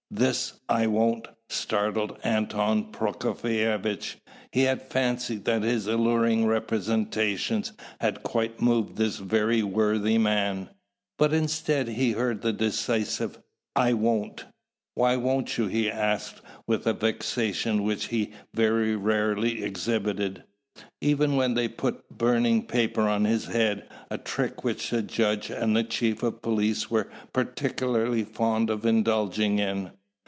This "I won't" startled Anton Prokofievitch. He had fancied that his alluring representations had quite moved this very worthy man; but instead, he heard that decisive "I won't." "Why won't you?" he asked, with a vexation which he very rarely exhibited, even when they put burning paper on his head, a trick which the judge and the chief of police were particularly fond of indulging in.